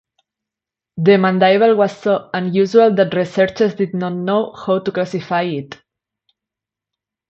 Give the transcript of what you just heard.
The mandible was so unusual that researchers did not know how to classify it.